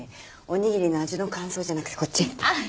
おにぎりの味の感想じゃなくてこっち。